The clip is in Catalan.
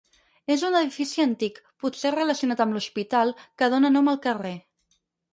És un edifici antic, potser relacionat amb l'Hospital que dóna nom al carrer.